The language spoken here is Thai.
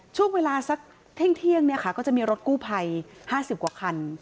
ช่วงเวลาสักเที่ยงก็จะมีรถกู้ภัย๕๐กว่าคัน